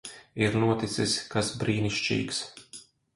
Ir noticis kas brīnišķīgs.